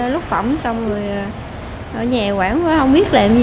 lúc phỏng xong rồi ở nhà quảng vừa không biết làm gì